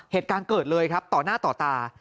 เหตุการณ์เกิดเลยครับต่อหน้าต่อตา